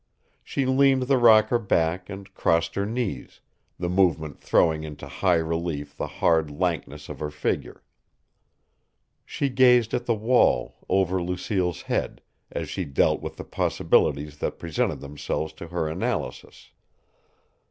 She leaned the rocker back and crossed her knees, the movement throwing into high relief the hard lankness of her figure. She gazed at the wall, over Lucille's head, as she dealt with the possibilities that presented themselves to her analysis.